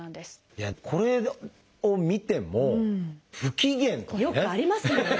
これを見ても「不機嫌」とかね。